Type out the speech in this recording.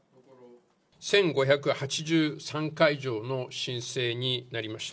１５８３回以上の申請になりました。